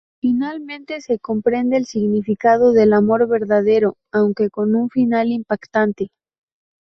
Finalmente se comprende el significado del amor verdadero, aunque con un final impactante.